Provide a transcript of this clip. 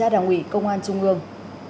đảng ủy công an trung ương